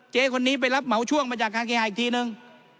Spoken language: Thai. เจ๊คนนี้ไปรับเหมาช่วงมาจากการเคหาอีกทีนึง